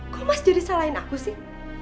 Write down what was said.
kok mas jadi salahin aku sih